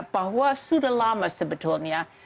bahwa sudah lama sebetulnya